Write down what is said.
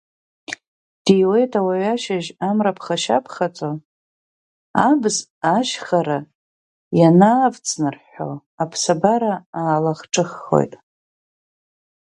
Диуеит ауаҩы ашьыжь амра ԥхашьа-ԥхаҵо, абз ашьхара ианаавҵнарҳәҳәо, аԥсабара аалахҿыххоит.